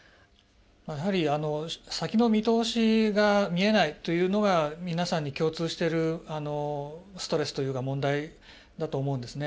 やはり先の見通しが見えないというのが皆さんに共通してるストレスというか問題だと思うんですね。